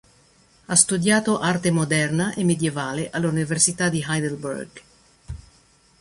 Ha studiato arte moderna e medievale all'Università di Heidelberg.